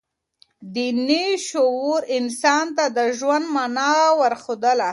دیني شعور انسان ته د ژوند مانا وښودله.